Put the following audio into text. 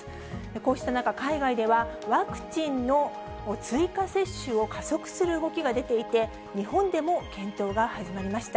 こうした中、海外ではワクチンの追加接種を加速する動きが出ていて、日本でも検討が始まりました。